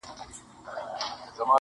• له بدیو به تر مرګه خلاصېدلای -